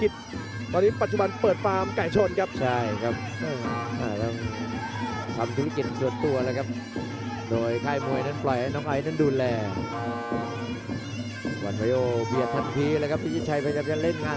น้องไอตก็ต้องบอกว่าลูกชายนี้ติดพารกิจตอนนี้